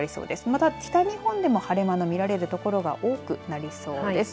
また北日本でも晴れ間の見られる所が多くなりそうです。